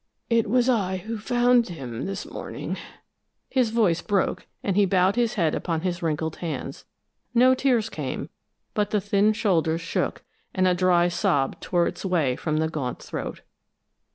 It was I who found him this morning " His voice broke, and he bowed his head upon his wrinkled hands. No tears came but the thin shoulders shook, and a dry sob tore its way from the gaunt throat.